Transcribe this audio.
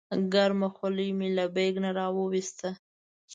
ګرمه خولۍ مې له بیک نه راوویسته.